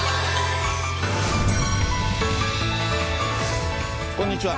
また、こんにちは。